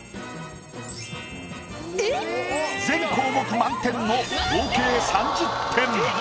全項目満点の合計３０点。